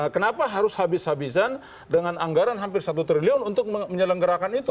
kenapa harus habis habisan dengan anggaran hampir satu triliun untuk menyelenggarakan itu